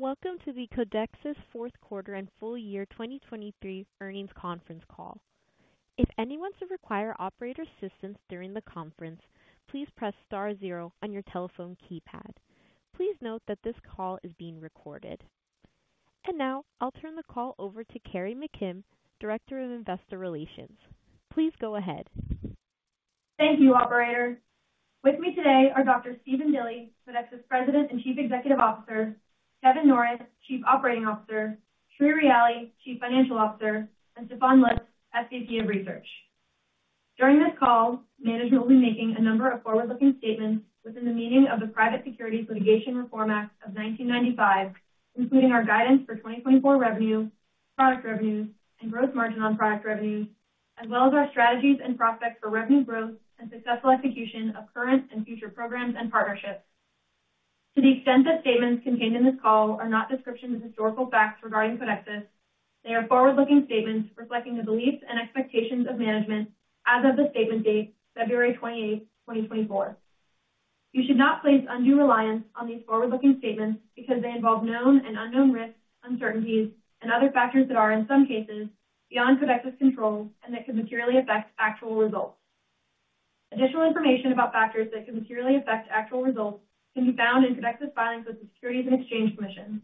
Welcome to the Codexis fourth quarter and full year 2023 earnings conference call. If anyone should require operator assistance during the conference, please press star zero on your telephone keypad. Please note that this call is being recorded. And now I'll turn the call over to Carrie McKim, Director of Investor Relations. Please go ahead. Thank you, operator. With me today are Dr. Stephen Dilly, Codexis' President and Chief Executive Officer, Kevin Norrett, Chief Operating Officer, Sri Ryali, Chief Financial Officer, and Stefan Lutz, SVP of Research. During this call, management will be making a number of forward-looking statements within the meaning of the Private Securities Litigation Reform Act of 1995, including our guidance for 2024 revenue, product revenues, and gross margin on product revenues, as well as our strategies and prospects for revenue growth and successful execution of current and future programs and partnerships. To the extent that statements contained in this call are not descriptions of historical facts regarding Codexis, they are forward-looking statements reflecting the beliefs and expectations of management as of the statement date, February 28, 2024. You should not place undue reliance on these forward-looking statements because they involve known and unknown risks, uncertainties, and other factors that are, in some cases, beyond Codexis control and that can materially affect actual results. Additional information about factors that can materially affect actual results can be found in Codexis filings with the Securities and Exchange Commission.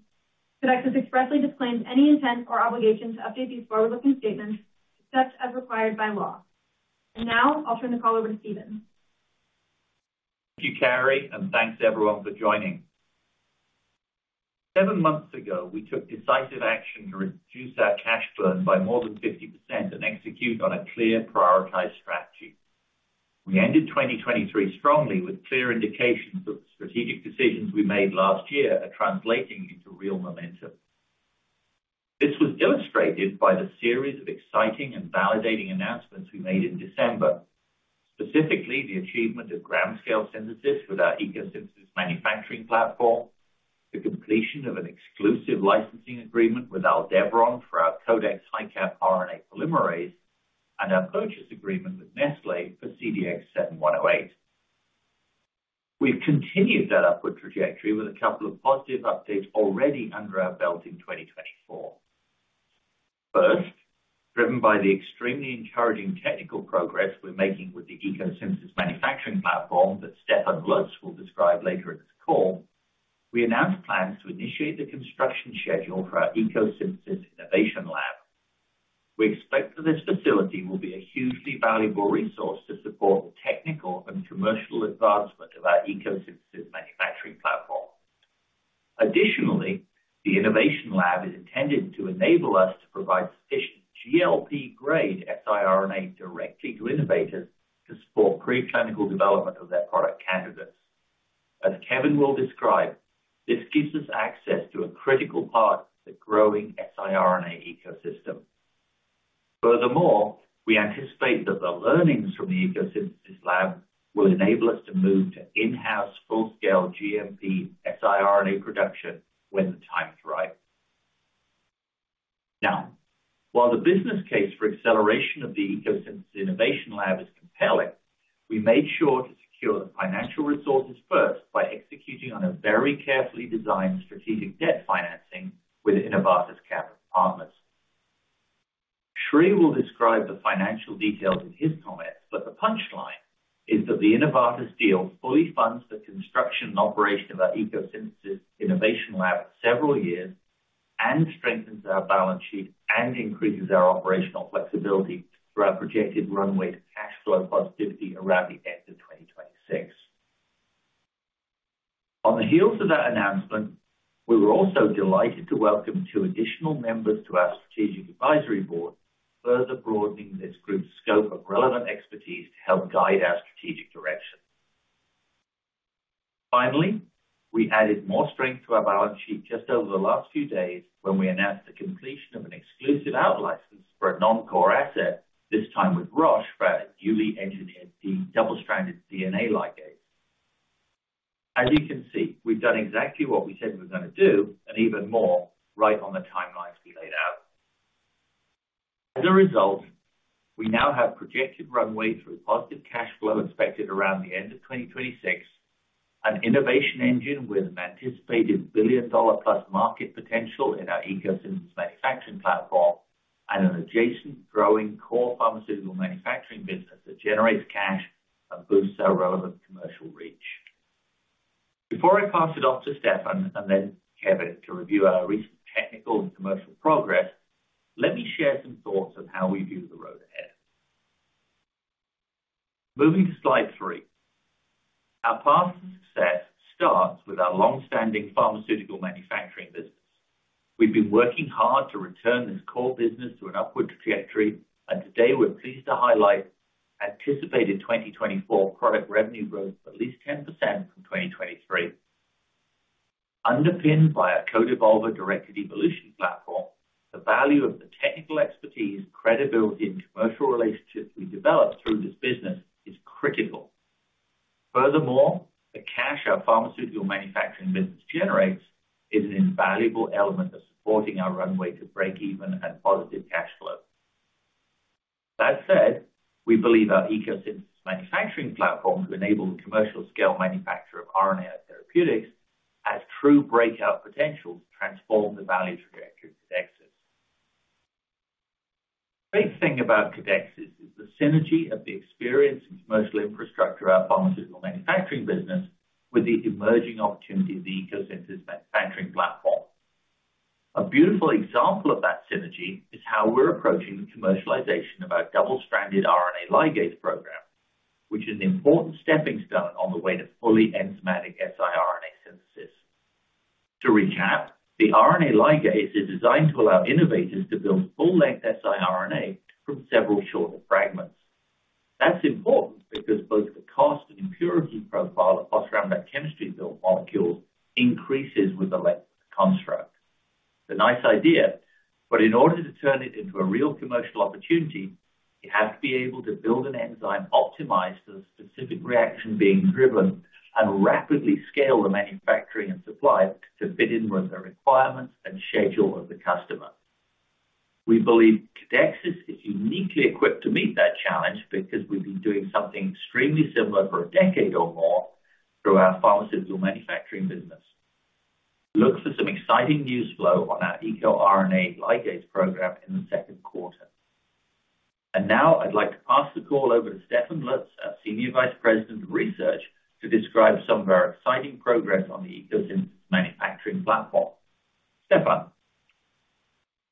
Codexis expressly disclaims any intent or obligation to update these forward-looking statements, except as required by law. Now I'll turn the call over to Stephen. Thank you, Carrie, and thanks everyone for joining. Seven months ago, we took decisive action to reduce our cash burn by more than 50% and execute on a clear prioritized strategy. We ended 2023 strongly with clear indications that the strategic decisions we made last year are translating into real momentum. This was demonstrated by the series of exciting and validating announcements we made in December. Specifically, the achievement of gram-scale synthesis with our ECO Synthesis manufacturing platform, the completion of an exclusive licensing agreement with Aldevron for our Codex HiCap RNA Polymerase, and our purchase agreement with Nestlé for CDX-7108. We've continued that upward trajectory with a couple of positive updates already under our belt in 2024. First, driven by the extremely encouraging technical progress we're making with the ECO Synthesis manufacturing platform that Stefan Lutz will describe later in this call, we announced plans to initiate the construction schedule for our ECO Synthesis Innovation Lab. We expect that this facility will be a hugely valuable resource to support the technical and commercial advancement of our ECO Synthesis manufacturing platform. Additionally, the innovation lab is intended to enable us to provide sufficient GLP-grade siRNA directly to innovators to support preclinical development of their product candidates. As Kevin will describe, this gives us access to a critical part of the growing siRNA ecosystem. Furthermore, we anticipate that the learnings from the ECO Synthesis lab will enable us to move to in-house full-scale GMP siRNA production when the time is right. Now, while the business case for acceleration of the ECO Synthesis Innovation Lab is compelling, we made sure to secure the financial resources first by executing on a very carefully designed strategic debt financing with Innovatus Capital Partners. Sri will describe the financial details in his comments, but the punchline is that the Innovatus deal fully funds the construction and operation of our ECO Synthesis Innovation Lab for several years, and strengthens our balance sheet, and increases our operational flexibility through our projected runway to cash flow positivity around the end of 2026. On the heels of that announcement, we were also delighted to welcome two additional members to our strategic advisory board, further broadening this group's scope of relevant expertise to help guide our strategic direction. Finally, we added more strength to our balance sheet just over the last few days when we announced the completion of an exclusive out license for a non-core asset, this time with Roche, for our newly engineered double-stranded DNA ligase. As you can see, we've done exactly what we said we were gonna do, and even more, right on the timelines we laid out. As a result, we now have projected runway to a positive cash flow expected around the end of 2026, an innovation engine with an anticipated billion-dollar plus market potential in our ECO Synthesis manufacturing platform, and an adjacent growing core pharmaceutical manufacturing business that generates cash and boosts our relevant commercial reach. Before I pass it off to Stefan and then Kevin to review our recent technical and commercial progress, let me share some thoughts on how we view the road ahead. Moving to slide three. Our path to success starts with our longstanding pharmaceutical manufacturing business. We've been working hard to return this core business to an upward trajectory, and today we're pleased to highlight anticipated 2024 product revenue growth of at least 10% from 2023. Underpinned by our CodeEvolver-directed evolution platform, the value of the technical expertise, credibility, and commercial relationships we've developed through this business is critical. Furthermore, the cash our pharmaceutical manufacturing business generates is an invaluable element of supporting our runway to break even and positive cash flow. That said, we believe our ECO Synthesis manufacturing platform to enable the commercial scale manufacture of RNA therapeutics has true breakout potential to transform the value trajectory of Codexis. Great thing about Codexis is the synergy of the experience and commercial infrastructure of our pharmaceutical manufacturing business with the emerging opportunity of the ECO Synthesis manufacturing platform. A beautiful example of that synergy is how we're approaching the commercialization of our double-stranded RNA ligase program, which is an important stepping stone on the way to fully enzymatic siRNA synthesis. To recap, the RNA ligase is designed to allow innovators to build full-length siRNAs from several shorter fragments. That's important because both the cost and impurity profile of phosphoramidite chemistry build molecules increases with the length of the construct. It's a nice idea, but in order to turn it into a real commercial opportunity, you have to be able to build an enzyme optimized for the specific reaction being driven, and rapidly scale the manufacturing and supply to fit in with the requirements and schedule of the customer. We believe Codexis is uniquely equipped to meet that challenge because we've been doing something extremely similar for a decade or more through our pharmaceutical manufacturing business. Look for some exciting news flow on our EcoRNA ligase program in the second quarter. Now I'd like to pass the call over to Stefan Lutz, our Senior Vice President of Research, to describe some of our exciting progress on the ECO Synthesis™ manufacturing platform. Stefan?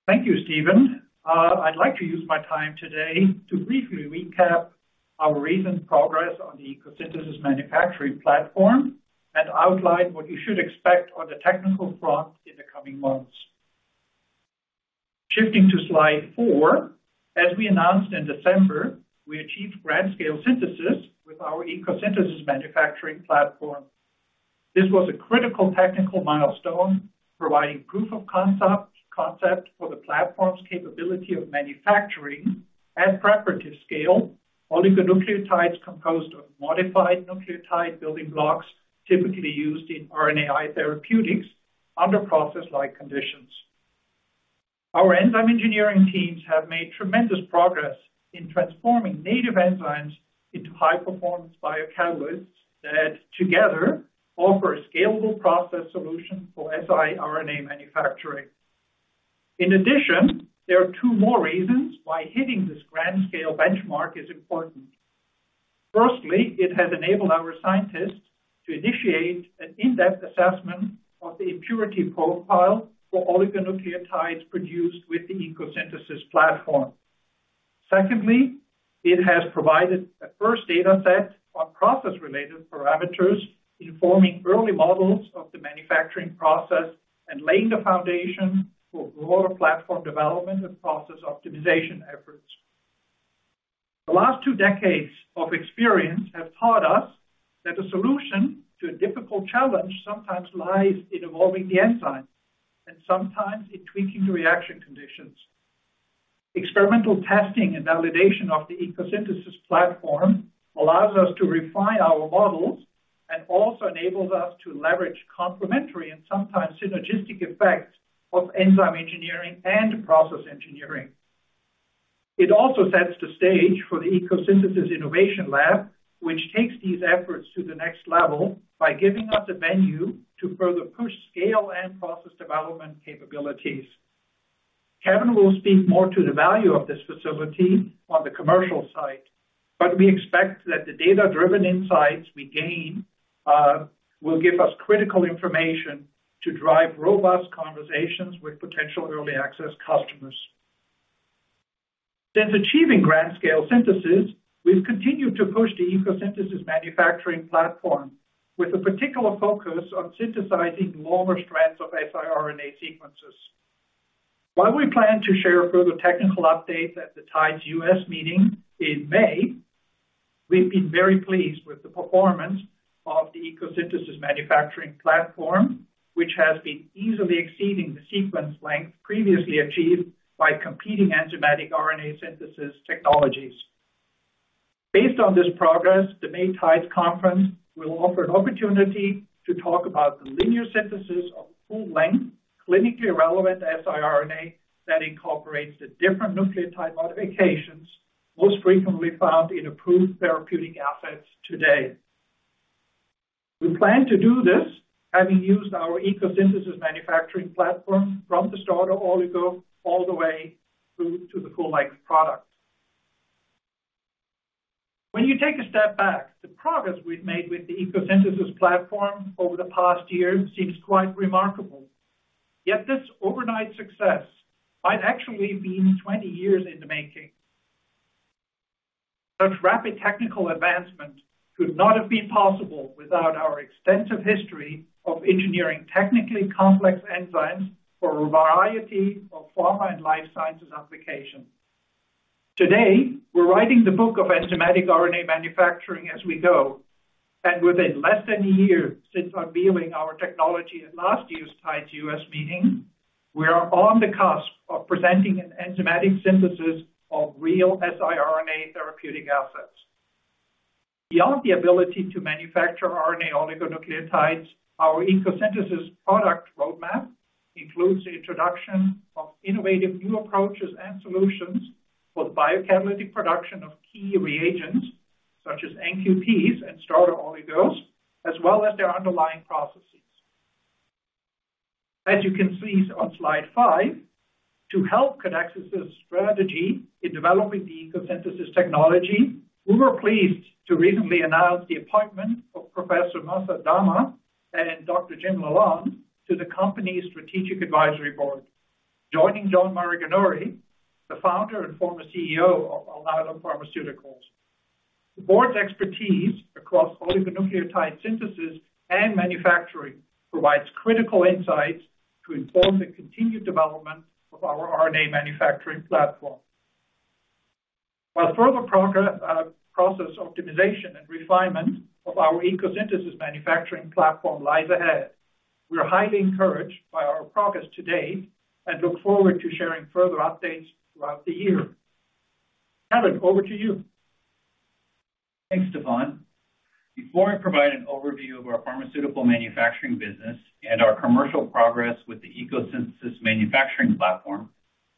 Thank you, Stephen. I'd like to use my time today to briefly recap our recent progress on the ECO Synthesis manufacturing platform and outline what you should expect on the technical front in the coming months. Shifting to slide 4, as we announced in December, we achieved gram scale synthesis with our ECO Synthesis manufacturing platform. This was a critical technical milestone, providing proof of concept for the platform's capability of manufacturing at preparative scale, oligonucleotides composed of modified nucleotide building blocks, typically used in RNAi therapeutics under process-like conditions. Our enzyme engineering teams have made tremendous progress in transforming native enzymes into high-performance biocatalysts that together offer a scalable process solution for siRNA manufacturing. In addition, there are 2 more reasons why hitting this gram scale benchmark is important. Firstly, it has enabled our scientists to initiate an in-depth assessment of the impurity profile for oligonucleotides produced with the ECO Synthesis platform. Secondly, it has provided a first data set on process-related parameters, informing early models of the manufacturing process and laying the foundation for broader platform development and process optimization efforts. The last two decades of experience have taught us that a solution to a difficult challenge sometimes lies in evolving the enzyme and sometimes in tweaking the reaction conditions. Experimental testing and validation of the ECO Synthesis platform allows us to refine our models and also enables us to leverage complementary and sometimes synergistic effects of enzyme engineering and process engineering. It also sets the stage for the ECO Synthesis Innovation Lab, which takes these efforts to the next level by giving us a venue to further push scale and process development capabilities. Kevin will speak more to the value of this facility on the commercial side, but we expect that the data-driven insights we gain will give us critical information to drive robust conversations with potential early access customers. Since achieving gram scale synthesis, we've continued to push the ECO Synthesis™ manufacturing platform with a particular focus on synthesizing longer strands of siRNA sequences. While we plan to share further technical updates at the TIDES US meeting in May, we've been very pleased with the performance of the ECO Synthesis™ manufacturing platform, which has been easily exceeding the sequence length previously achieved by competing enzymatic RNA synthesis technologies. Based on this progress, the May TIDES conference will offer an opportunity to talk about the linear synthesis of full-length, clinically relevant siRNA that incorporates the different nucleotide modifications most frequently found in approved therapeutic assets today. We plan to do this, having used our ECO Synthesis manufacturing platform from the starter oligo all the way through to the full-length product. When you take a step back, the progress we've made with the ECO Synthesis platform over the past year seems quite remarkable. Yet this overnight success might actually been 20 years in the making. Such rapid technical advancement could not have been possible without our extensive history of engineering technically complex enzymes for a variety of pharma and life sciences applications. Today, we're writing the book of enzymatic RNA manufacturing as we go, and within less than a year since unveiling our technology at last year's TIDES US meeting, we are on the cusp of presenting an enzymatic synthesis of real siRNA therapeutic assets. Beyond the ability to manufacture RNA oligonucleotides, our ECO Synthesis product roadmap includes the introduction of innovative new approaches and solutions for the biocatalytic production of key reagents, such as NTPs and starter oligos, as well as their underlying processes. As you can see on slide five, to help Codexis' strategy in developing the ECO Synthesis technology, we were pleased to recently announce the appointment of Professor Masad Damha and Dr. Jim Lalonde to the company's strategic advisory board, joining John Maraganore, the founder and former CEO of Alnylam Pharmaceuticals. The board's expertise across oligonucleotide synthesis and manufacturing provides critical insights to inform the continued development of our RNA manufacturing platform. While further progress, process optimization and refinement of our ECO Synthesis manufacturing platform lies ahead, we are highly encouraged by our progress to date and look forward to sharing further updates throughout the year. Kevin, over to you. Thanks, Stefan. Before I provide an overview of our pharmaceutical manufacturing business and our commercial progress with the ECO Synthesis manufacturing platform,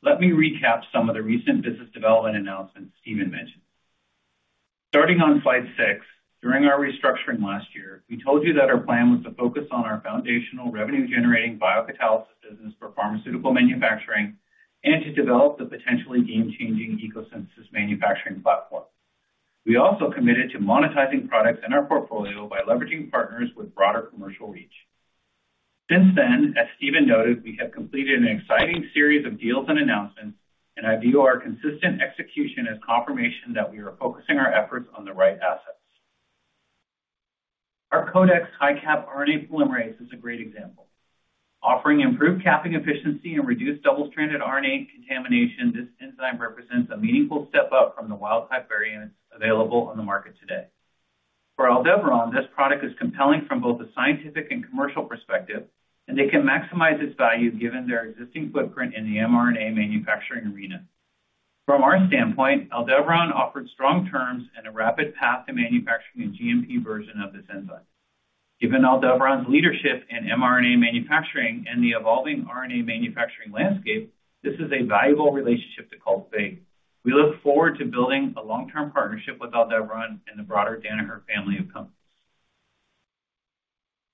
let me recap some of the recent business development announcements Stephen mentioned. Starting on slide 6, during our restructuring last year, we told you that our plan was to focus on our foundational revenue-generating biocatalysis business for pharmaceutical manufacturing and to develop the potentially game-changing ECO Synthesis manufacturing platform. We also committed to monetizing products in our portfolio by leveraging partners with broader commercial reach. Since then, as Stephen noted, we have completed an exciting series of deals and announcements, and I view our consistent execution as confirmation that we are focusing our efforts on the right assets. Our Codex HiCap RNA Polymerase is a great example. Offering improved capping efficiency and reduced double-stranded RNA contamination, this enzyme represents a meaningful step up from the wild type variants available on the market today. For Aldevron, this product is compelling from both a scientific and commercial perspective, and they can maximize its value given their existing footprint in the mRNA manufacturing arena. From our standpoint, Aldevron offered strong terms and a rapid path to manufacturing a GMP version of this enzyme. Given Aldevron's leadership in mRNA manufacturing and the evolving RNA manufacturing landscape, this is a valuable relationship to cultivate. We look forward to building a long-term partnership with Aldevron and the broader Danaher family of companies.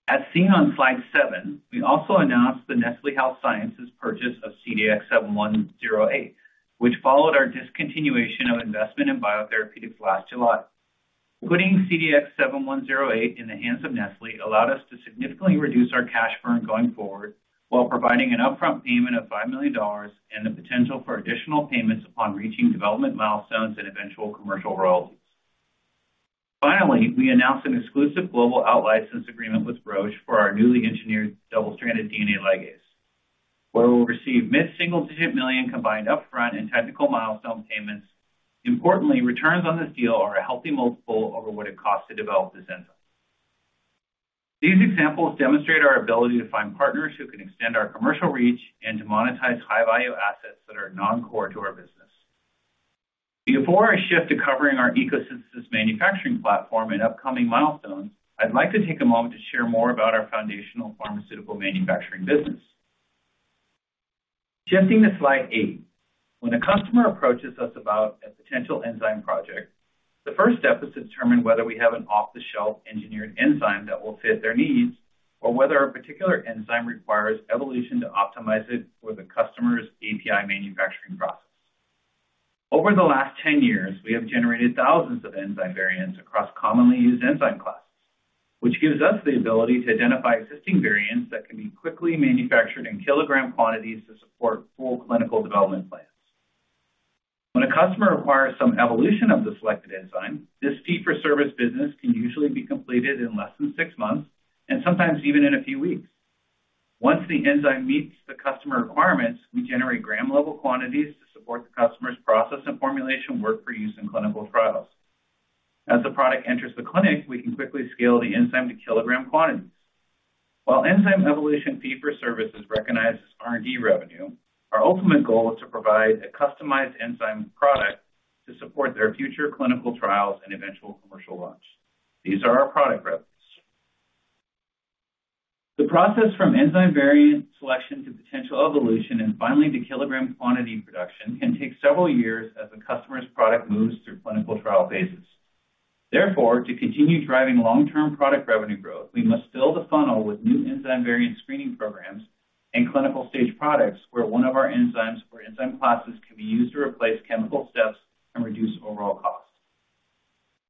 As seen on slide 7, we also announced the Nestlé Health Science purchase of CDX-7108, which followed our discontinuation of investment in biotherapeutics last July. Putting CDX-7108 in the hands of Nestlé allowed us to significantly reduce our cash burn going forward, while providing an upfront payment of $5 million and the potential for additional payments upon reaching development milestones and eventual commercial royalties. Finally, we announced an exclusive global outlicense agreement with Roche for our newly engineered double-stranded DNA ligase, where we'll receive mid-single-digit million combined upfront and technical milestone payments. Importantly, returns on this deal are a healthy multiple over what it cost to develop this enzyme. These examples demonstrate our ability to find partners who can extend our commercial reach and to monetize high-value assets that are non-core to our business. Before I shift to covering our EcoSynthesis manufacturing platform and upcoming milestones, I'd like to take a moment to share more about our foundational pharmaceutical manufacturing business. Jumping to slide eight. When a customer approaches us about a potential enzyme project, the first step is to determine whether we have an off-the-shelf engineered enzyme that will fit their needs, or whether a particular enzyme requires evolution to optimize it for the customer's API manufacturing process. Over the last 10 years, we have generated thousands of enzyme variants across commonly used enzyme classes, which gives us the ability to identify existing variants that can be quickly manufactured in kilogram quantities to support full clinical development plans. When a customer requires some evolution of the selected enzyme, this fee-for-service business can usually be completed in less than 6 months, and sometimes even in a few weeks. Once the enzyme meets the customer requirements, we generate gram-level quantities to support the customer's process and formulation work for use in clinical trials. As the product enters the clinic, we can quickly scale the enzyme to kilogram quantities. While enzyme evolution fee-for-service is recognized as R&D revenue, our ultimate goal is to provide a customized enzyme product to support their future clinical trials and eventual commercial launch. These are our product revenues. The process from enzyme variant selection to potential evolution, and finally to kilogram quantity production, can take several years as a customer's product moves through clinical trial phases. Therefore, to continue driving long-term product revenue growth, we must fill the funnel with new enzyme variant screening programs and clinical-stage products, where one of our enzymes or enzyme classes can be used to replace chemical steps and reduce overall costs.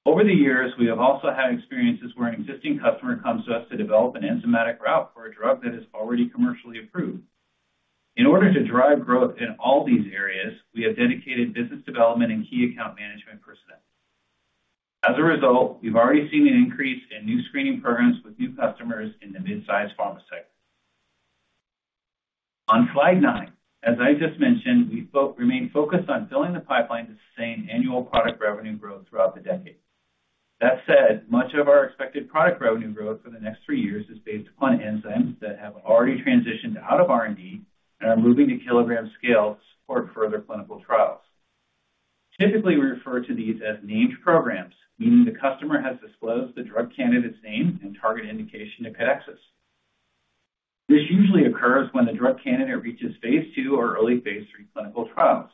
Over the years, we have also had experiences where an existing customer comes to us to develop an enzymatic route for a drug that is already commercially approved. In order to drive growth in all these areas, we have dedicated business development and key account management personnel. As a result, we've already seen an increase in new screening programs with new customers in the mid-size pharma sector. On slide 9, as I just mentioned, we remain focused on filling the pipeline to sustain annual product revenue growth throughout the decade. That said, much of our expected product revenue growth for the next 3 years is based upon enzymes that have already transitioned out of R&D and are moving to kilogram scale to support further clinical trials. Typically, we refer to these as named programs, meaning the customer has disclosed the drug candidate's name and target indication to Codexis. This usually occurs when the drug candidate reaches phase II or early phase III clinical trials.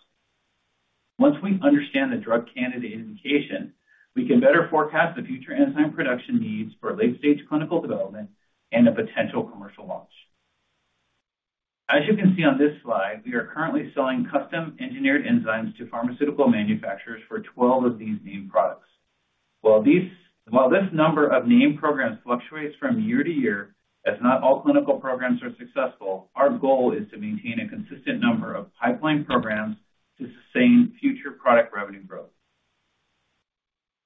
Once we understand the drug candidate indication, we can better forecast the future enzyme production needs for late-stage clinical development and a potential commercial launch. As you can see on this slide, we are currently selling custom-engineered enzymes to pharmaceutical manufacturers for 12 of these named products. While this number of named programs fluctuates from year to year, as not all clinical programs are successful, our goal is to maintain a consistent number of pipeline programs to sustain future product revenue growth.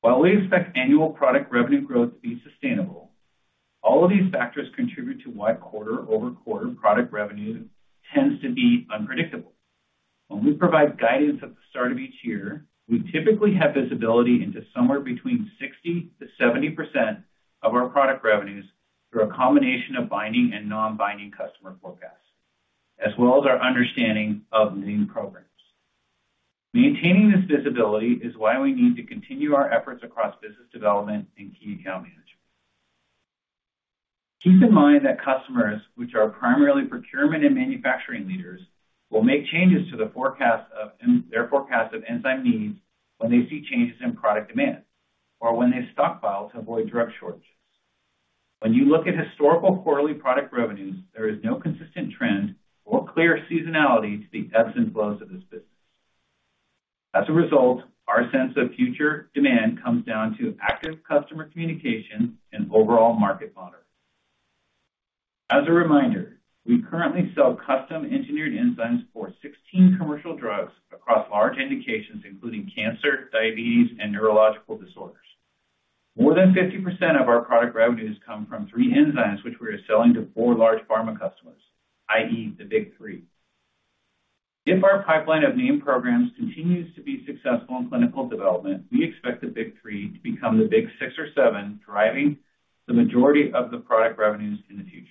While we expect annual product revenue growth to be sustainable, all of these factors contribute to why quarter-over-quarter product revenue tends to be unpredictable. When we provide guidance at the start of each year, we typically have visibility into somewhere between 60%-70% of our product revenues through a combination of binding and non-binding customer forecasts, as well as our understanding of named programs. Maintaining this visibility is why we need to continue our efforts across business development and key account management. Keep in mind that customers, which are primarily procurement and manufacturing leaders, will make changes to their forecast of enzyme needs when they see changes in product demand or when they stockpile to avoid drug shortages. When you look at historical quarterly product revenues, there is no consistent trend or clear seasonality to the ebbs and flows of this business. As a result, our sense of future demand comes down to active customer communication and overall market monitoring. As a reminder, we currently sell custom-engineered enzymes for 16 commercial drugs across large indications, including cancer, diabetes, and neurological disorders. More than 50% of our product revenues come from three enzymes, which we are selling to four large pharma customers, i.e., The Big Three. If our pipeline of named programs continues to be successful in clinical development, we expect The Big Three to become The Big Six or Seven, driving the majority of the product revenues in the future.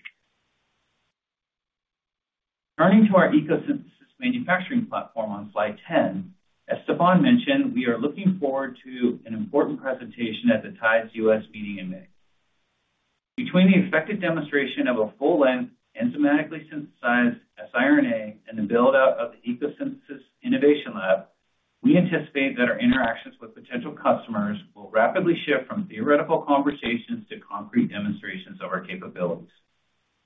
Turning to our ECO Synthesis manufacturing platform on slide 10, as Stefan mentioned, we are looking forward to an important presentation at the TIDES US meeting in May. Between the expected demonstration of a full-length enzymatically synthesized siRNA and the build-out of the ECO Synthesis Innovation Lab, we anticipate that our interactions with potential customers will rapidly shift from theoretical conversations to concrete demonstrations of our capabilities,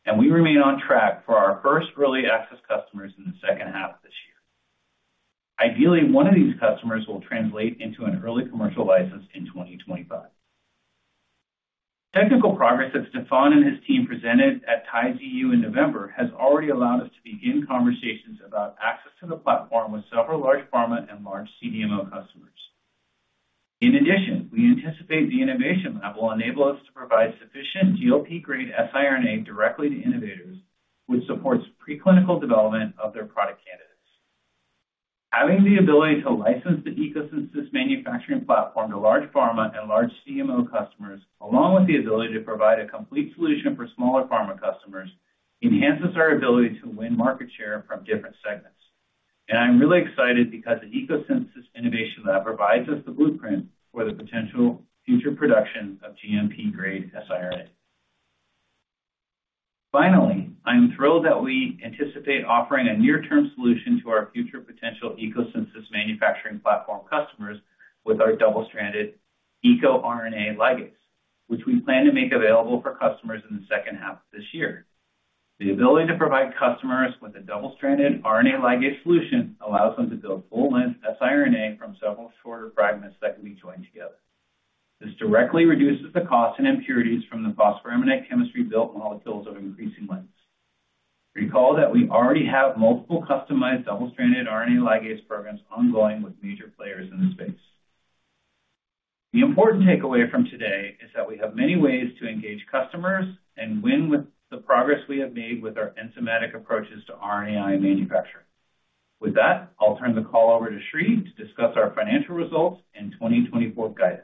and we remain on track for our first early access customers in the second half of this year. Ideally, one of these customers will translate into an early commercial license in 2025. Technical progress that Stefan and his team presented at TIDES EU in November has already allowed us to begin conversations about access to the platform with several large pharma and large CDMO customers. In addition, we anticipate the innovation lab will enable us to provide sufficient GLP-grade siRNA directly to innovators, which supports preclinical development of their product candidates. Having the ability to license the ECO Synthesis manufacturing platform to large pharma and large CMO customers, along with the ability to provide a complete solution for smaller pharma customers, enhances our ability to win market share from different segments. I'm really excited because the ECO Synthesis Innovation Lab provides us the blueprint for the potential future production of GMP-grade siRNA. Finally, I'm thrilled that we anticipate offering a near-term solution to our future potential ECO Synthesis manufacturing platform customers with our double-stranded EcoRNA ligase, which we plan to make available for customers in the second half of this year. The ability to provide customers with a double-stranded RNA ligase solution allows them to build full-length siRNA from several shorter fragments that can be joined together. This directly reduces the cost and impurities from the phosphoramidite chemistry-built molecules of increasing lengths. Recall that we already have multiple customized double-stranded RNA ligase programs ongoing with major players in the space. The important takeaway from today is that we have many ways to engage customers and win with the progress we have made with our enzymatic approaches to RNAi manufacturing. With that, I'll turn the call over to Sri to discuss our financial results and 2024 guidance.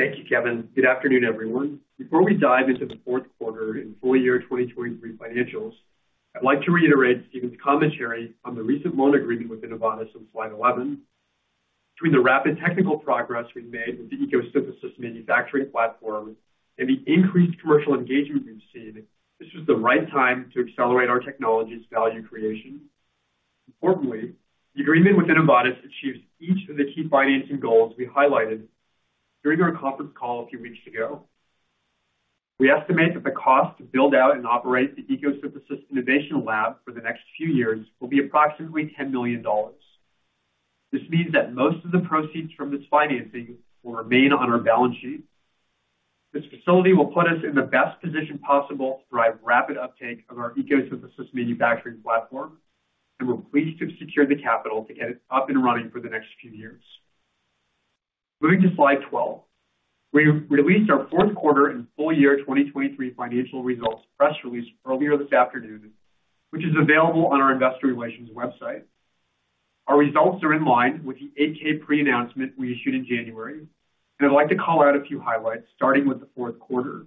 Thank you, Kevin. Good afternoon, everyone. Before we dive into the fourth quarter and full year 2023 financials, I'd like to reiterate Stephen's commentary on the recent loan agreement with Innovatus on slide 11. Between the rapid technical progress we've made with the ECO Synthesis manufacturing platform and the increased commercial engagement we've seen, this was the right time to accelerate our technology's value creation. Importantly, the agreement with Innovatus achieves each of the key financing goals we highlighted during our conference call a few weeks ago. We estimate that the cost to build out and operate the ECO Synthesis Innovation Lab for the next few years will be approximately $10 million. This means that most of the proceeds from this financing will remain on our balance sheet. This facility will put us in the best position possible to drive rapid uptake of our ECO Synthesis manufacturing platform, and we're pleased to have secured the capital to get it up and running for the next few years. Moving to slide 12. We released our fourth quarter and full year 2023 financial results press release earlier this afternoon, which is available on our investor relations website. Our results are in line with the 8-K pre-announcement we issued in January, and I'd like to call out a few highlights, starting with the fourth quarter.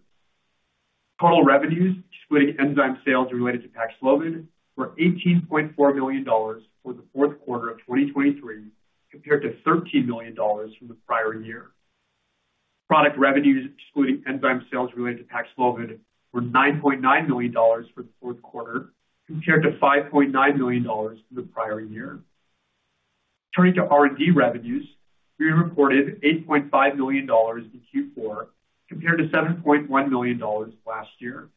Total revenues, excluding enzyme sales related to Paxlovid, were $18.4 million for the fourth quarter of 2023, compared to $13 million from the prior year.... Product revenues, excluding enzyme sales related to Paxlovid, were $9.9 million for the fourth quarter, compared to $5.9 million from the prior year. Turning to R&D revenues, we reported $8.5 million in Q4, compared to $7.1 million last year.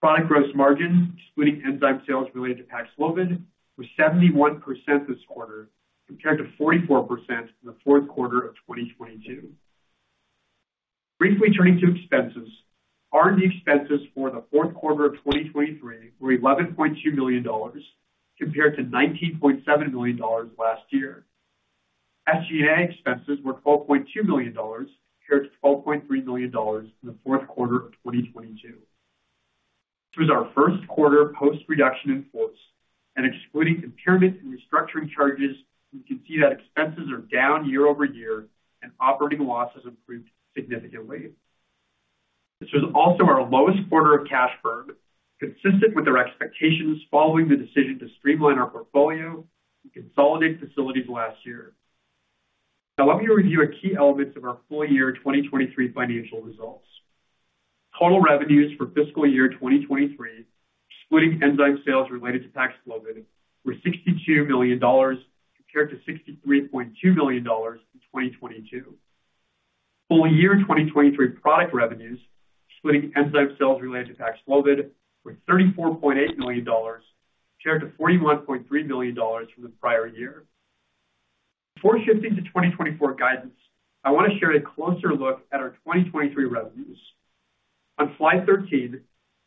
Product gross margin, excluding enzyme sales related to Paxlovid, was 71% this quarter, compared to 44% in the fourth quarter of 2022. Briefly turning to expenses, R&D expenses for the fourth quarter of 2023 were $11.2 million, compared to $19.7 million last year. SG&A expenses were $12.2 million, compared to $12.3 million in the fourth quarter of 2022. This was our first quarter post-reduction in force, and excluding impairment and restructuring charges, you can see that expenses are down year-over-year and operating losses improved significantly. This was also our lowest quarter of cash burn, consistent with our expectations following the decision to streamline our portfolio and consolidate facilities last year. Now, let me review key elements of our full year 2023 financial results. Total revenues for fiscal year 2023, excluding enzyme sales related to Paxlovid, were $62 million, compared to $63.2 million in 2022. Full year 2023 product revenues, excluding enzyme sales related to Paxlovid, were $34.8 million, compared to $41.3 million from the prior year. Before shifting to 2024 guidance, I want to share a closer look at our 2023 revenues. On slide 13,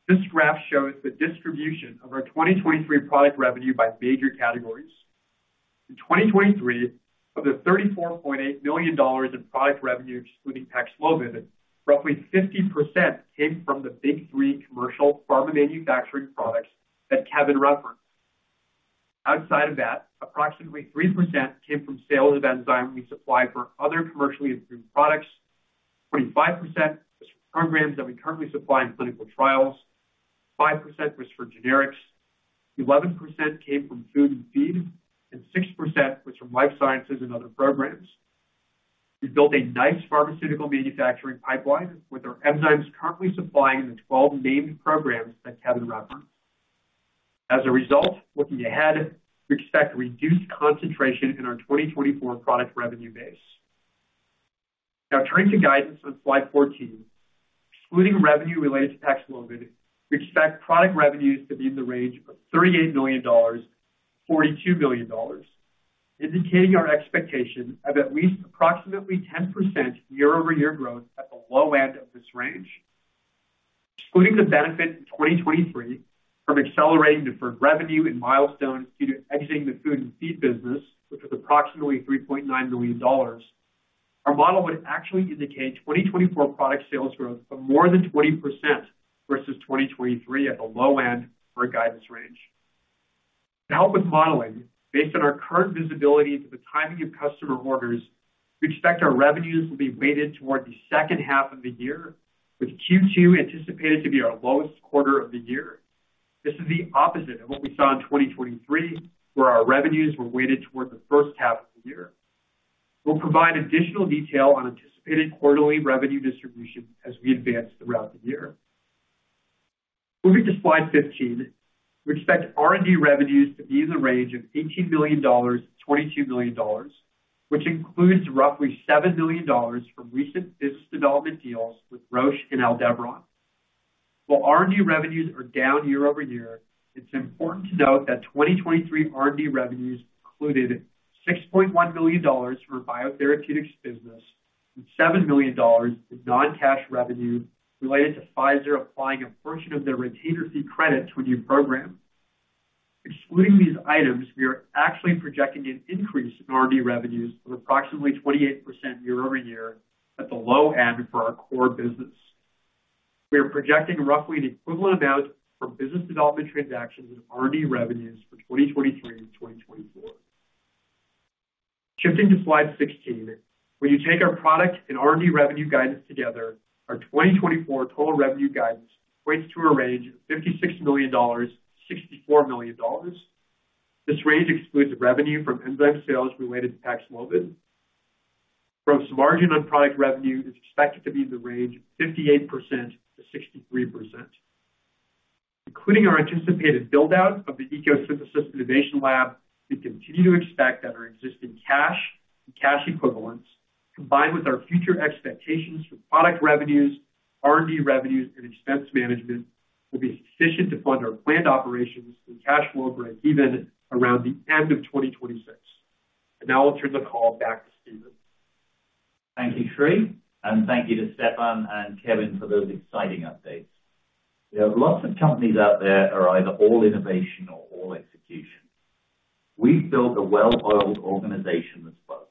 this graph shows the distribution of our 2023 product revenue by major categories. In 2023, of the $34.8 million in product revenue, excluding Paxlovid, roughly 50% came from the big three commercial pharma manufacturing products that Kevin referenced. Outside of that, approximately 3% came from sales of enzyme we supplied for other commercially improved products, 25% was for programs that we currently supply in clinical trials, 5% was for generics, 11% came from food and feed, and 6% was from life sciences and other programs. We built a nice pharmaceutical manufacturing pipeline with our enzymes currently supplying the 12 named programs that Kevin referenced. As a result, looking ahead, we expect reduced concentration in our 2024 product revenue base. Now turning to guidance on slide 14. Excluding revenue related to Paxlovid, we expect product revenues to be in the range of $38 million-$42 million, indicating our expectation of at least approximately 10% year-over-year growth at the low end of this range. Excluding the benefit in 2023 from accelerating deferred revenue and milestones due to exiting the food and feed business, which was approximately $3.9 million, our model would actually indicate 2024 product sales growth of more than 20% versus 2023 at the low end of our guidance range. To help with modeling, based on our current visibility to the timing of customer orders, we expect our revenues will be weighted toward the second half of the year, with Q2 anticipated to be our lowest quarter of the year. This is the opposite of what we saw in 2023, where our revenues were weighted toward the first half of the year. We'll provide additional detail on anticipated quarterly revenue distribution as we advance throughout the year. Moving to slide 15, we expect R&D revenues to be in the range of $18 million-$22 million, which includes roughly $7 million from recent business development deals with Roche and Aldevron. While R&D revenues are down year-over-year, it's important to note that 2023 R&D revenues included $6.1 million for biotherapeutics business and $7 million in non-cash revenue related to Pfizer applying a portion of their retainer fee credits to a new program. Excluding these items, we are actually projecting an increase in R&D revenues of approximately 28% year-over-year at the low end for our core business. We are projecting roughly an equivalent amount for business development transactions and R&D revenues for 2023 and 2024. Shifting to slide 16, when you take our product and R&D revenue guidance together, our 2024 total revenue guidance points to a range of $56 million-$64 million. This range excludes revenue from enzyme sales related to Paxlovid. Gross margin on product revenue is expected to be in the range of 58%-63%. Including our anticipated build-out of the ECO Synthesis Innovation Lab, we continue to expect that our existing cash and cash equivalents, combined with our future expectations for product revenues, R&D revenues, and expense management, will be sufficient to fund our planned operations through cash flow break even around the end of 2026. Now I'll turn the call back to Stephen. Thank you, Sri, and thank you to Stefan and Kevin for those exciting updates. There are lots of companies out there that are either all innovation or all execution. We've built a well-oiled organization as both.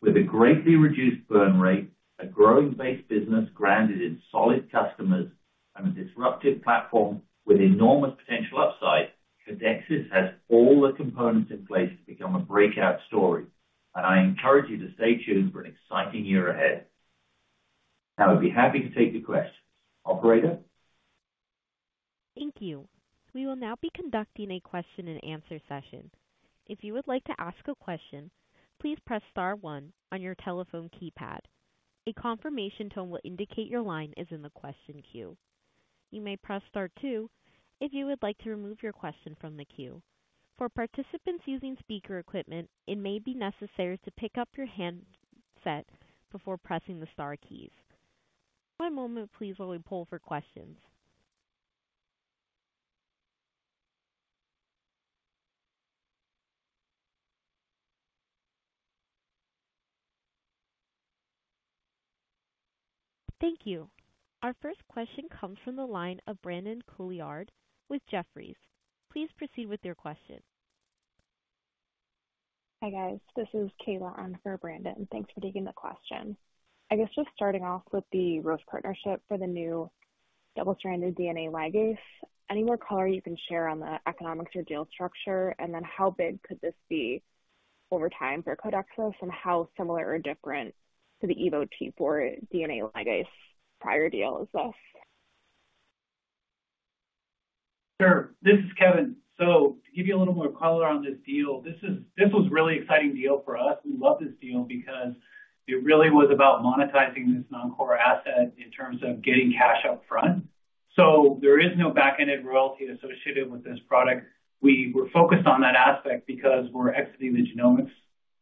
With a greatly reduced burn rate, a growing base business grounded in solid customers, and a disruptive platform with enormous potential upside, Codexis has all the components in place to become a breakout story, and I encourage you to stay tuned for an exciting year ahead. Now, I'd be happy to take your questions. Operator?... Thank you. We will now be conducting a question-and-answer session. If you would like to ask a question, please press star one on your telephone keypad. A confirmation tone will indicate your line is in the question queue. You may press star two if you would like to remove your question from the queue. For participants using speaker equipment, it may be necessary to pick up your handset before pressing the star keys. One moment please, while we poll for questions. Thank you. Our first question comes from the line of Brandon Couillard with Jefferies. Please proceed with your question. Hi, guys. This is Kayla on for Brandon. Thanks for taking the question. I guess just starting off with the Roche partnership for the new double-stranded DNA ligase. Any more color you can share on the economics or deal structure? And then how big could this be over time for Codexis, and how similar or different to the EvoT4 DNA Ligase prior deal as well? Sure. This is Kevin. To give you a little more color on this deal, this was a really exciting deal for us. We love this deal because it really was about monetizing this non-core asset in terms of getting cash up front. So there is no back-ended royalty associated with this product. We were focused on that aspect because we're exiting the genomics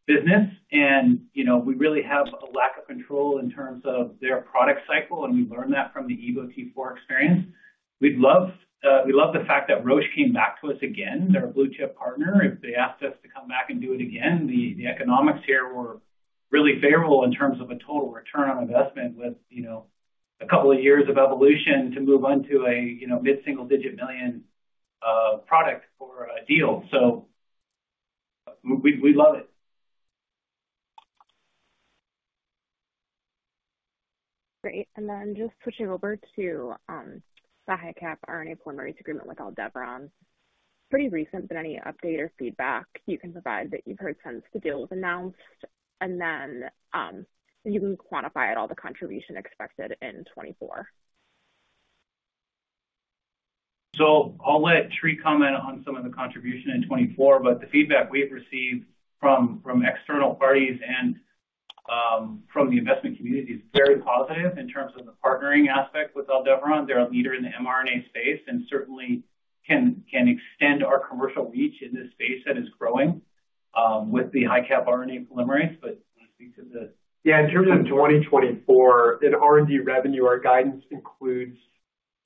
business and, you know, we really have a lack of control in terms of their product cycle, and we learned that from the Evo T4 experience. We'd love, we love the fact that Roche came back to us again. They're a blue-chip partner. If they asked us to come back and do it again, the economics here were really favorable in terms of a total return on investment with, you know, a couple of years of evolution to move on to a, you know, mid-single-digit $1 million product for a deal. So we love it. Great. And then just switching over to the HiCap RNA polymerase agreement with Aldevron. Pretty recent, but any update or feedback you can provide that you've heard since the deal was announced? And then, can you quantify at all the contribution expected in 2024? So I'll let Sri comment on some of the contribution in 2024, but the feedback we've received from external parties and from the investment community is very positive in terms of the partnering aspect with Aldevron. They're a leader in the mRNA space and certainly can extend our commercial reach in this space that is growing with the HiCap RNA polymerase. But do you want to speak to the- Yeah, in terms of 2024, in R&D revenue, our guidance includes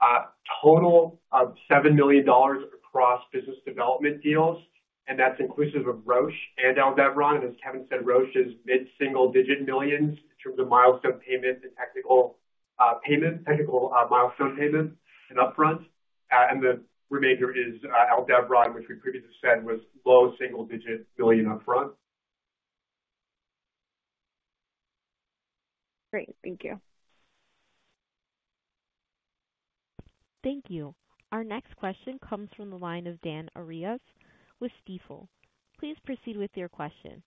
a total of $7 million across business development deals, and that's inclusive of Roche and Aldevron. And as Kevin said, Roche is $mid-single-digit millions in terms of milestone payments and technical payments, technical milestone payments and upfront. And the remainder is Aldevron, which we previously said was $low single-digit million upfront. Great. Thank you. Thank you. Our next question comes from the line of Dan Arias with Stifel. Please proceed with your question.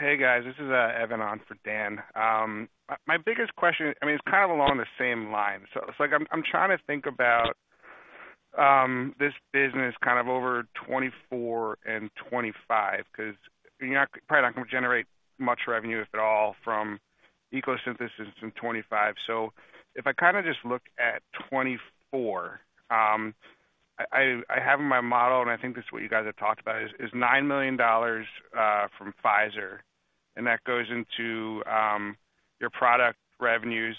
Hey, guys, this is Evan on for Dan. My biggest question, I mean, it's kind of along the same lines. So it's like I'm trying to think about this business kind of over 2024 and 2025, 'cause you're not-- probably not going to generate much revenue at all from ECO Synthesis in 2025. So if I kind of just look at 2024, I have in my model, and I think this is what you guys have talked about, is $9 million from Pfizer, and that goes into your product revenues.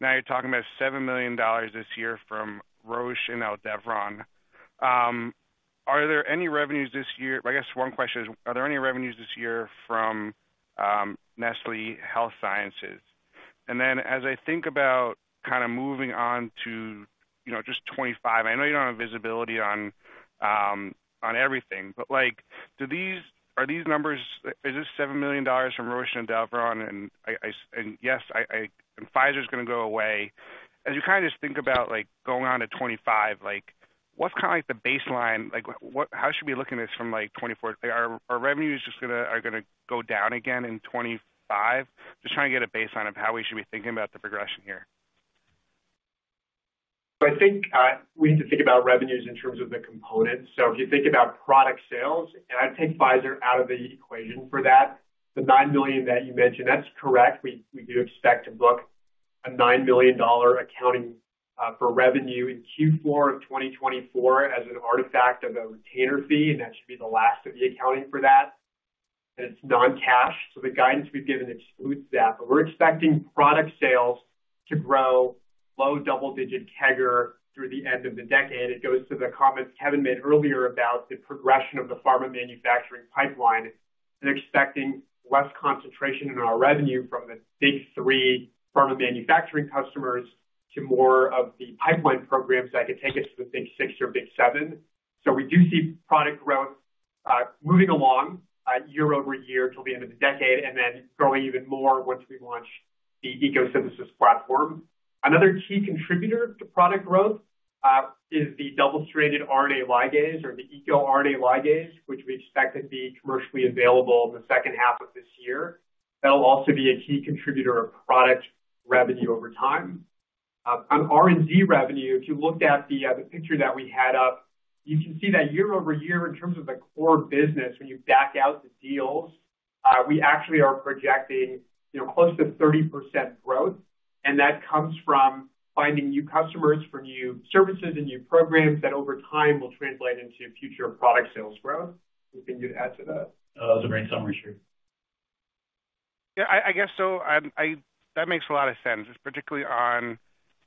Now you're talking about $7 million this year from Roche and Aldevron. Are there any revenues this year-- I guess one question is, are there any revenues this year from Nestlé Health Science? Then, as I think about kind of moving on to, you know, just 2025, I know you don't have visibility on, on everything, but, like, do these, are these numbers, is this $7 million from Roche and Aldevron? And I, and yes, I, and Pfizer's gonna go away. As you kind of just think about, like, going on to 2025, like, what's kind of like the baseline? Like, what, how should we look at this from, like, 2024? Are revenues just gonna, are gonna go down again in 2025? Just trying to get a baseline of how we should be thinking about the progression here. I think, we need to think about revenues in terms of the components. If you think about product sales, and I'd take Pfizer out of the equation for that, the $9 million that you mentioned, that's correct. We do expect to book a $9 million accounting for revenue in Q4 of 2024 as an artifact of a retainer fee, and that should be the last of the accounting for that. It's non-cash, so the guidance we've given excludes that. But we're expecting product sales to grow low double-digit CAGR through the end of the decade. It goes to the comments Kevin made earlier about the progression of the pharma manufacturing pipeline and expecting less concentration in our revenue from the big three pharma manufacturing customers to more of the pipeline programs that could take us to the big six or big seven. We do see product growth moving along year-over-year until the end of the decade, and then growing even more once we launch the ECO Synthesis platform. Another key contributor to product growth is the double-stranded RNA ligase or the EcoRNA ligase, which we expect to be commercially available in the second half of this year.... That'll also be a key contributor of product revenue over time. On R&D revenue, if you looked at the picture that we had up, you can see that year-over-year, in terms of the core business, when you back out the deals, we actually are projecting, you know, close to 30% growth, and that comes from finding new customers for new services and new programs that over time will translate into future product sales growth. Anything you'd add to that? No, that was a great summary, Sri. Yeah, I guess so. That makes a lot of sense, particularly on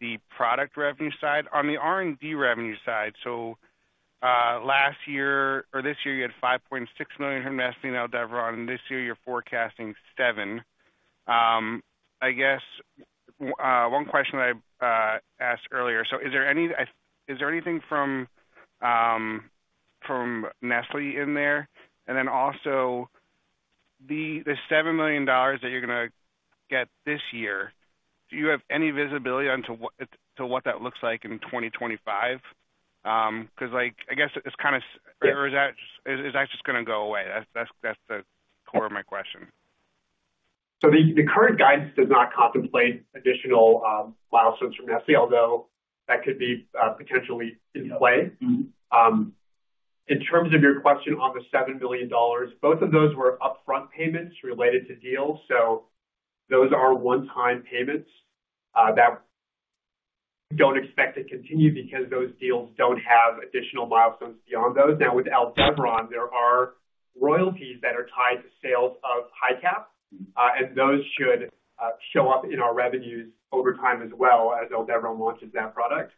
the product revenue side. On the R&D revenue side, last year or this year, you had $5.6 million from Nestlé and Aldevron, and this year you're forecasting $7 million. I guess one question that I asked earlier: so is there anything from Nestlé in there? And then also, the $7 million that you're gonna get this year, do you have any visibility onto what that looks like in 2025? 'Cause, like, I guess it's kind of- Yes. Or is that just - is that just gonna go away? That's the core of my question. So the current guidance does not contemplate additional milestones from Nestlé, although that could be potentially in play. Mm-hmm. In terms of your question on the $7 million, both of those were upfront payments related to deals, so those are one-time payments that we don't expect to continue because those deals don't have additional milestones beyond those. Now, with Aldevron, there are royalties that are tied to sales of HiCap, and those should show up in our revenues over time as well, as Aldevron launches that product.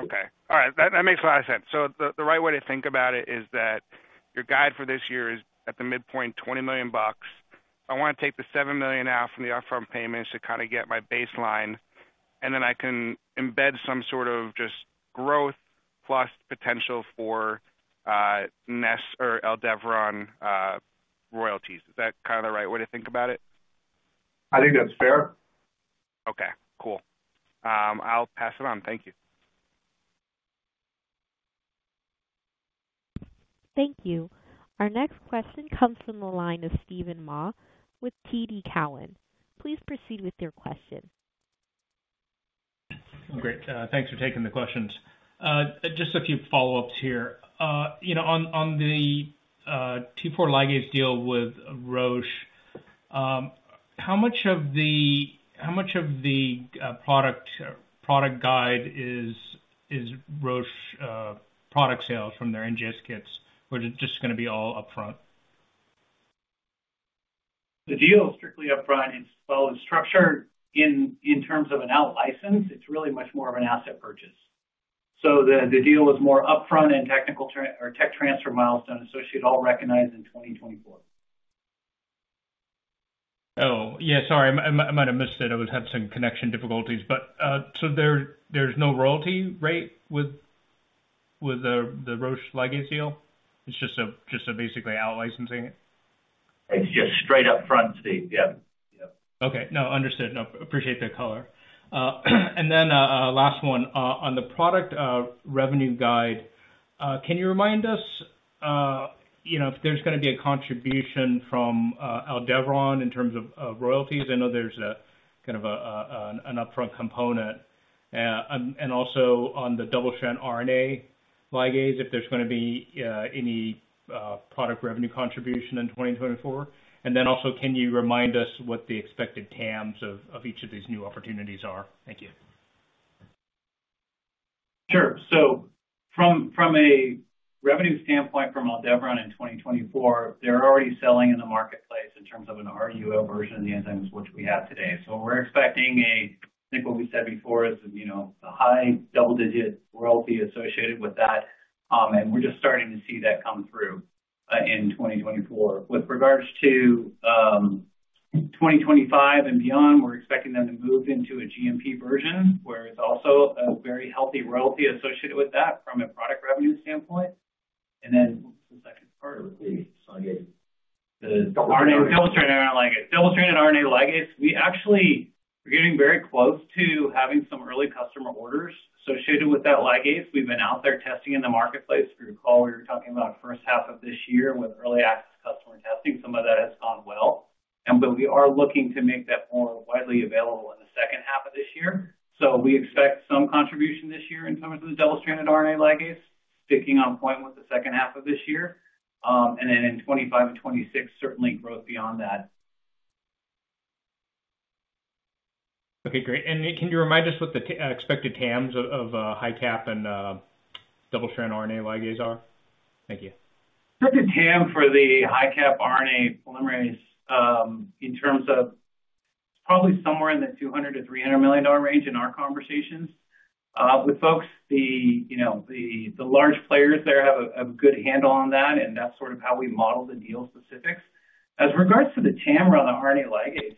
Okay. All right. That makes a lot of sense. So the right way to think about it is that your guide for this year is, at the midpoint, $20 million. I want to take the $7 million out from the upfront payments to kind of get my baseline, and then I can embed some sort of just growth plus potential for Nestlé or Aldevron royalties. Is that kind of the right way to think about it? I think that's fair. Okay, cool. I'll pass it on. Thank you. Thank you. Our next question comes from the line of Steven Mah with TD Cowen. Please proceed with your question. Great. Thanks for taking the questions. Just a few follow-ups here. You know, on the T4 ligase deal with Roche, how much of the product guide is Roche product sales from their NGS kits, or is it just gonna be all upfront? The deal is strictly upfront. It's well structured. In terms of an outlicense, it's really much more of an asset purchase. So the deal is more upfront and technical tech transfer milestones, so it should all recognize in 2024. Oh, yeah, sorry, I might have missed it. I was having some connection difficulties. But, so there's no royalty rate with the Roche ligase deal? It's just basically outlicensing it. It's just straight up front, Steve. Yep. Yep. Okay. No, understood. No, appreciate the color. And then last one. On the product revenue guide, can you remind us, you know, if there's gonna be a contribution from Aldevron in terms of royalties? I know there's a kind of a, an upfront component. And also on the double-stranded RNA ligase, if there's gonna be any product revenue contribution in 2024. And then also, can you remind us what the expected TAMs of each of these new opportunities are? Thank you. Sure. So from a revenue standpoint, from Aldevron in 2024, they're already selling in the marketplace in terms of an RUO version of the enzymes, which we have today. So we're expecting. I think what we said before is, you know, a high double-digit royalty associated with that, and we're just starting to see that come through, in 2024. With regards to, 2025 and beyond, we're expecting them to move into a GMP version, where it's also a very healthy royalty associated with that from a product revenue standpoint. And then what's the second part of the ligase? The double-stranded RNA ligase. The RNA double-stranded RNA ligase. Double-stranded RNA ligase, we actually are getting very close to having some early customer orders associated with that ligase. We've been out there testing in the marketplace. If you recall, we were talking about first half of this year with early access customer testing. Some of that has gone well, and but we are looking to make that more widely available in the second half of this year. So we expect some contribution this year in terms of the double-stranded RNA ligase, sticking on point with the second half of this year, and then in 2025 and 2026, certainly growth beyond that. Okay, great. And can you remind us what the expected TAMS of HiCap and double-stranded RNA ligase are? Thank you. Expected TAM for the HiCap RNA polymerase, in terms of probably somewhere in the $200 million-$300 million range in our conversations with folks. The, you know, large players there have a good handle on that, and that's sort of how we model the deal specifics. As regards to the TAM around the RNA ligase,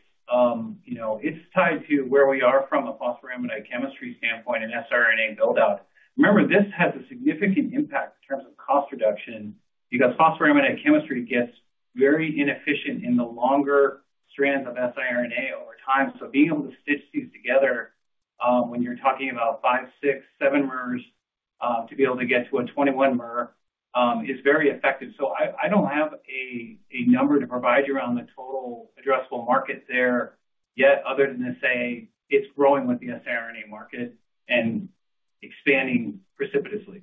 you know, it's tied to where we are from a phosphoramidite chemistry standpoint and siRNA build-out. Remember, this has a significant impact in terms of cost reduction, because phosphoramidite chemistry gets very inefficient in the longer strands of siRNA over time. So being able to stitch these together, when you're talking about 5-, 6-, 7-mers to be able to get to a 21-mer, is very effective. So I don't have a number to provide you around the total addressable market there yet, other than to say it's growing with the siRNA market and expanding precipitously.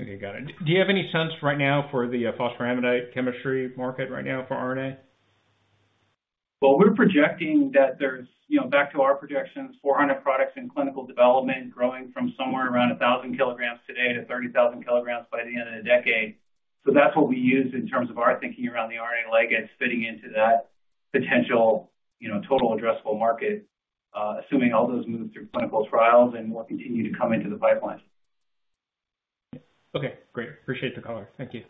Okay, got it. Do you have any sense right now for the phosphoramidite chemistry market right now for RNA? Well, we're projecting that there's, you know, back to our projections, 400 products in clinical development, growing from somewhere around 1,000 kilograms today to 30,000 kilograms by the end of the decade. So that's what we used in terms of our thinking around the RNA ligase fitting into that potential, you know, total addressable market, assuming all those move through clinical trials and more continue to come into the pipeline. Okay, great. Appreciate the color. Thank you.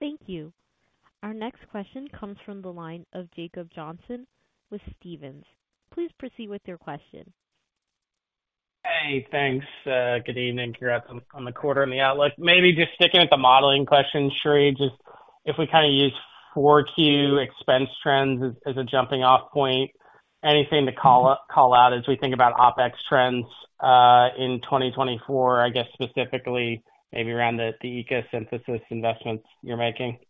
Thank you. Our next question comes from the line of Jacob Johnson with Stephens. Please proceed with your question. Hey, thanks. Good evening. Congrats on the quarter and the outlook. Maybe just sticking with the modeling question, Sri, just if we kinda use 4Q expense trends as a jumping off point, anything to call out as we think about OpEx trends in 2024, I guess specifically, maybe around the ECO Synthesis investments you're making?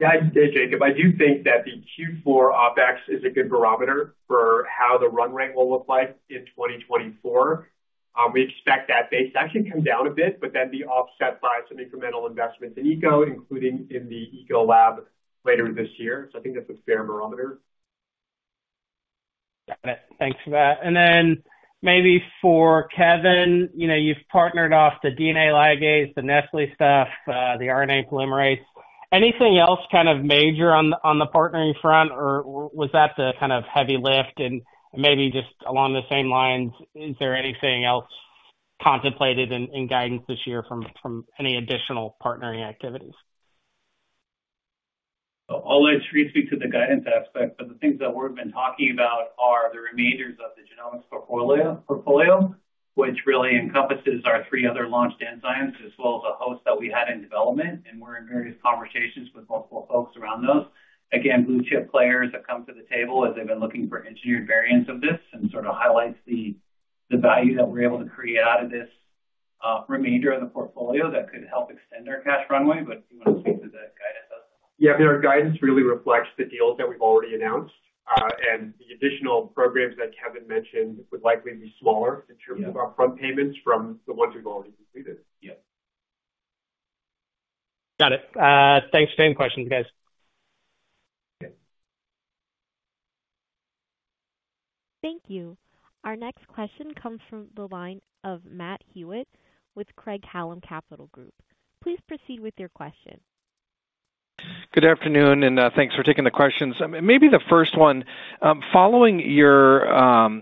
Yeah. Hey, Jacob. I do think that the Q4 OpEx is a good barometer for how the run rate will look like in 2024. We expect that base to actually come down a bit, but then be offset by some incremental investments in ECO, including in the ECO lab later this year. So I think that's a fair barometer. Got it. Thanks for that. And then maybe for Kevin, you know, you've partnered off the DNA ligase, the Nestlé stuff, the RNA polymerase. Anything else kind of major on the partnering front, or was that the kind of heavy lift? And maybe just along the same lines, is there anything else contemplated in guidance this year from any additional partnering activities? I'll let Sri speak to the guidance aspect, but the things that we've been talking about are the remainders of the genomics portfolio, which really encompasses our three other launched enzymes, as well as a host that we had in development, and we're in various conversations with multiple folks around those. Again, blue chip players have come to the table as they've been looking for engineered variants of this and sort of highlights the value that we're able to create out of this remainder of the portfolio that could help extend our cash runway. But do you wanna speak to the guidance as well? Yeah, our guidance really reflects the deals that we've already announced, and the additional programs that Kevin mentioned would likely be smaller- Yeah in terms of our front payments from the ones we've already completed. Yes. Got it. Thanks for taking the questions, guys. Okay. Thank you. Our next question comes from the line of Matt Hewitt with Craig-Hallum Capital Group. Please proceed with your question. Good afternoon, and thanks for taking the questions. Maybe the first one, following your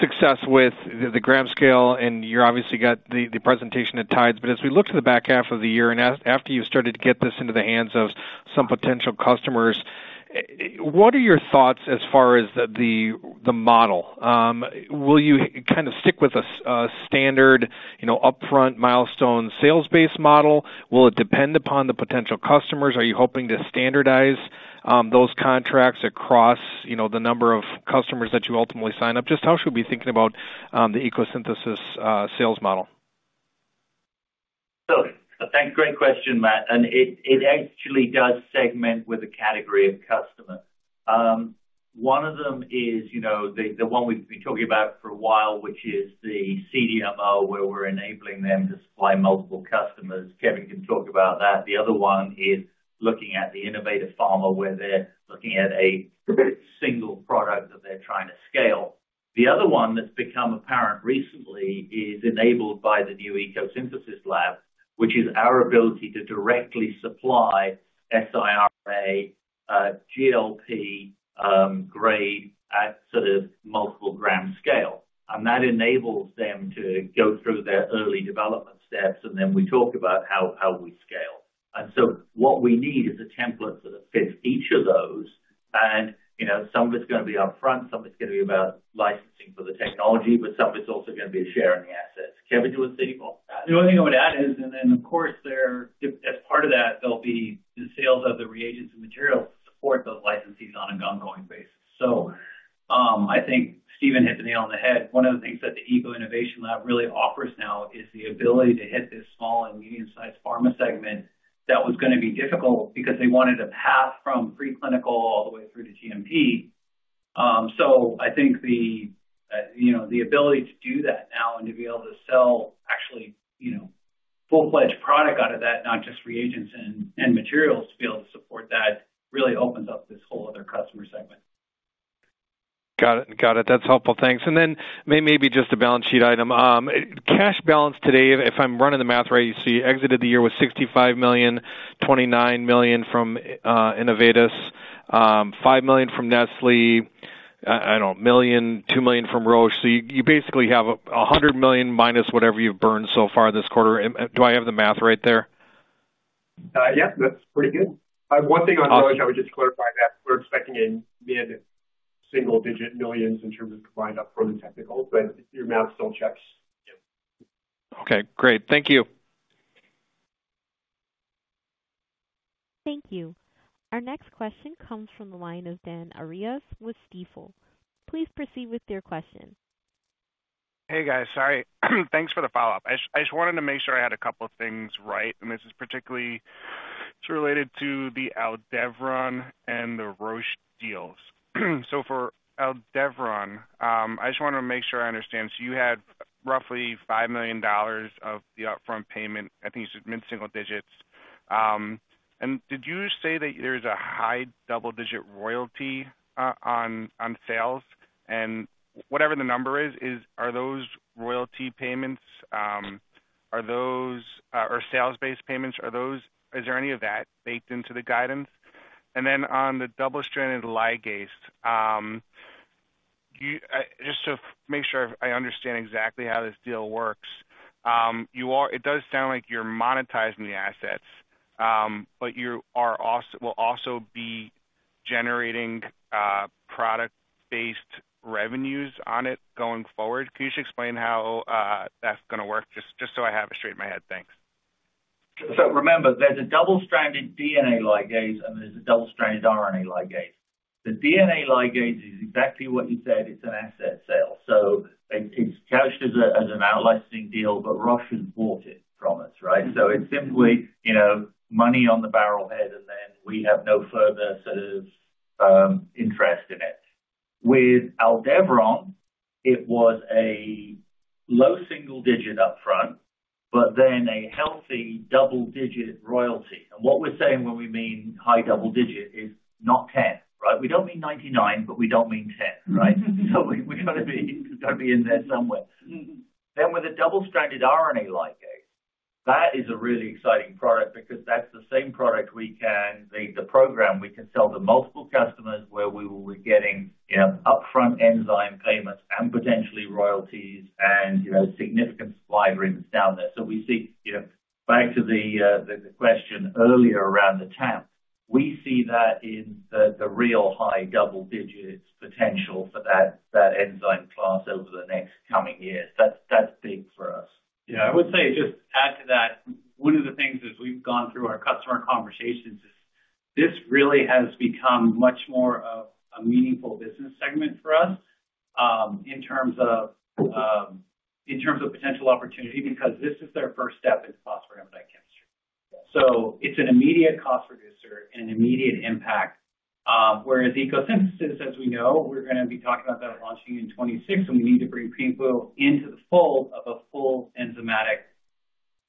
success with the gram scale, and you obviously got the presentation at TIDES. But as we look to the back half of the year and after you've started to get this into the hands of some potential customers, what are your thoughts as far as the model? Will you kind of stick with a standard, you know, upfront milestone sales-based model? Will it depend upon the potential customers? Are you hoping to standardize those contracts across, you know, the number of customers that you ultimately sign up? Just how should we be thinking about the ECO Synthesis sales model? So thanks. Great question, Matt, and it actually does segment with the category of customer. One of them is, you know, the one we've been talking about for a while, which is the CDMO, where we're enabling them to supply multiple customers. Kevin can talk about that. The other one is looking at the innovative pharma, where they're looking at a specific single product that they're trying to scale. The other one that's become apparent recently is enabled by the new ECO Synthesis lab, which is our ability to directly supply siRNA, GLP grade at sort of multiple gram scale. And that enables them to go through their early development steps, and then we talk about how we scale. And so what we need is a template that fits each of those, and, you know, some of it's gonna be upfront, some of it's gonna be about licensing for the technology, but some of it's also gonna be sharing the assets. Kevin, do you want to say anything more about that? The only thing I would add is, and then, of course, there- as part of that, there'll be the sales of the reagents and materials to support those licensees on an ongoing basis. So, I think Stephen hit the nail on the head. One of the things that the ECO Innovation Lab really offers now is the ability to hit this small and medium-sized pharma segment that was gonna be difficult because they wanted a path from preclinical all the way through to GMP. So I think the, you know, the ability to do that now and to be able to sell actually, you know, full-fledged product out of that, not just reagents and, and materials to be able to support that, really opens up this whole other customer segment. Got it. Got it. That's helpful. Thanks. And then maybe just a balance sheet item. Cash balance today, if I'm running the math right, you see, exited the year with $65 million, $29 million from Innovatus, $5 million from Nestlé, $1 million, $2 million from Roche. So you basically have $100 million minus whatever you've burned so far this quarter. And do I have the math right there? Yes, that's pretty good. Okay. One thing on Roche, I would just clarify that we're expecting a mid-single digit millions in terms of combined up from the technical, but your math still checks. Okay, great. Thank you. Thank you. Our next question comes from the line of Dan Arias with Stifel. Please proceed with your question. Hey, guys. Sorry. Thanks for the follow-up. I just wanted to make sure I had a couple of things right, and this is particularly... It's related to the Aldevron and the Roche deals. So for Aldevron, I just wanted to make sure I understand. So you had roughly $5 million of the upfront payment, I think you said mid-single digits. And did you say that there's a high double-digit royalty on sales? And whatever the number is, are those royalty payments or sales-based payments, is there any of that baked into the guidance? Then on the double-stranded ligase, just to make sure I understand exactly how this deal works, it does sound like you're monetizing the assets, but you will also be generating product-based revenues on it going forward. Can you just explain how that's gonna work? Just so I have it straight in my head. Thanks. So remember, there's a double-stranded DNA ligase and there's a double-stranded RNA ligase. The DNA ligase is exactly what you said, it's an asset sale. So it, it's couched as a, as an out-licensing deal, but Roche has bought it from us, right? So it's simply, you know, money on the barrel head, and then we have no further sort of interest in it. With Aldevron, it was a low single-digit upfront, but then a healthy double-digit royalty. And what we're saying when we mean high double-digit is not 10, right? We don't mean 99, but we don't mean 10, right? So we've gotta be, gotta be in there somewhere. Then with a double-stranded RNA ligase, that is a really exciting product because that's the same product we can—the program we can sell to multiple customers where we will be getting, you know, upfront enzyme payments and potentially royalties and, you know, significant supply agreements down there. So we see, you know, back to the question earlier around the TAM, we see that in the real high double digits potential for that enzyme class over the next coming years. That's big for us. Yeah. I would say, just to add to that, one of the things as we've gone through our customer conversations is, this really has become much more of a meaningful business segment for us, in terms of, in terms of potential opportunity, because this is their first step in phosphoramidite chemistry. So it's an immediate cost reducer and an immediate impact, whereas ECO Synthesis, as we know, we're gonna be talking about that launching in 2026, and we need to bring people into the fold of a full enzymatic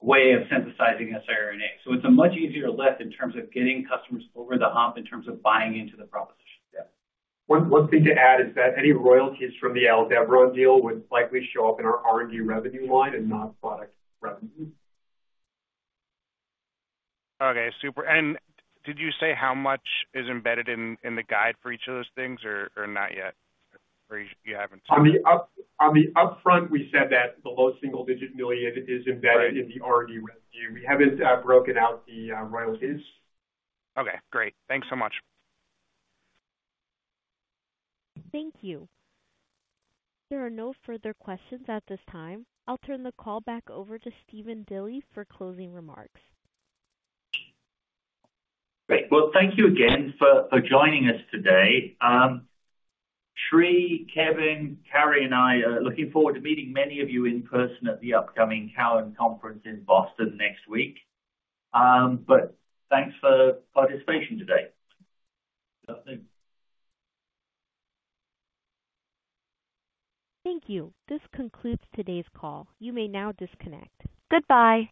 way of synthesizing siRNA. So it's a much easier lift in terms of getting customers over the hump in terms of buying into the proposition. Yeah. One thing to add is that any royalties from the Aldevron deal would likely show up in our RU revenue line and not product revenues. Okay, super. And did you say how much is embedded in, in the guide for each of those things or, or not yet, or you, you haven't- On the upfront, we said that the low single-digit $ million is embedded- Right. in the RUO revenue. We haven't broken out the royalties. Okay, great. Thanks so much. Thank you. There are no further questions at this time. I'll turn the call back over to Stephen Dilly for closing remarks. Great. Well, thank you again for joining us today. Sri, Kevin, Carrie and I are looking forward to meeting many of you in person at the upcoming Cowen Conference in Boston next week. But thanks for participation today. Good afternoon. Thank you. This concludes today's call. You may now disconnect. Goodbye.